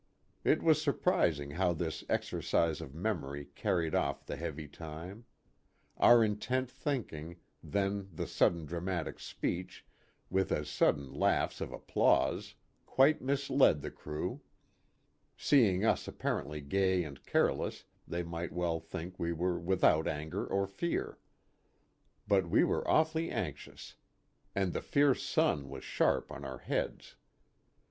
It was surprising how this exercise of memory carried off the heavy time ; our intent thinking, then the sudden dramatic speech, with as sud den laughs of applause, quite misled the crew ; seeing us apparently gay and careless they might well think we were without anger or fear. But we were awfully anxious. And the fierce sun was sharp on our heads.